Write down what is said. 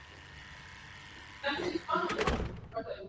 Mbuzi anaweza kumuambukiza ndui mbuzi mwenzake